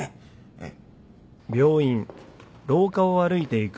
ええ。